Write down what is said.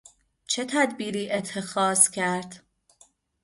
چه تدبیری اتخاذ کرد؟